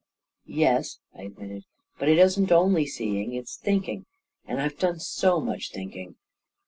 "Yes," I admitted; "but it isn't only seeing — it's thinking; and I've done so much thinking